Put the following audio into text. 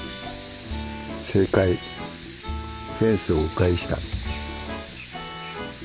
正解フェンスをう回した。